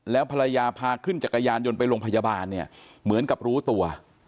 แล้วภรรยาพาขึ้นจักรยานยนต์ไปโรงพยาบาลเนี่ยเหมือนกับรู้ตัว